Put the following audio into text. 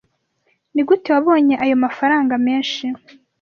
Nigute wabonye ayo mafaranga menshi?